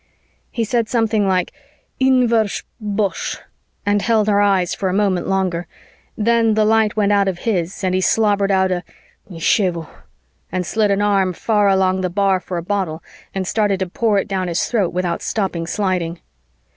He said something like, "Inversh ... bosh ..." and held our eyes for a moment longer. Then the light went out of his and he slobbered out a "Nichevo" and slid an arm far along the bar for a bottle and started to pour it down his throat without stopping sliding.